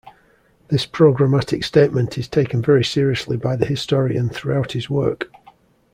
This programmatic statement is taken very seriously by the historian throughout his work.